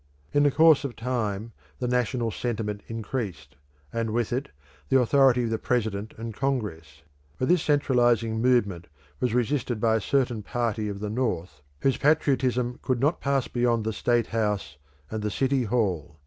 In the course of time the national sentiment increased, and with it the authority of the President and Congress; but this centralising movement was resisted by a certain party of the North whose patriotism could not pass beyond the state house and the city hall.